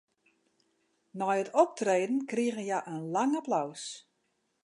Nei it optreden krigen hja in lang applaus.